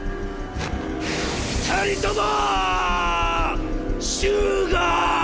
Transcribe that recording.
二人とも！